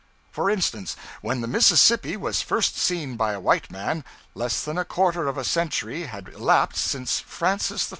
For instance, when the Mississippi was first seen by a white man, less than a quarter of a century had elapsed since Francis I.'